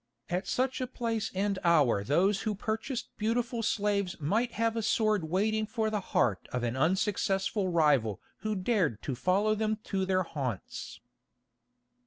At such a place and hour those who purchased beautiful slaves might have a sword waiting for the heart of an unsuccessful rival who dared to follow them to their haunts.